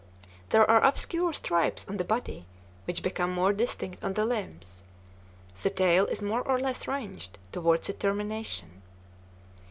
There are obscure stripes on the body, which become more distinct on the limbs. The tail is more or less ringed toward its termination.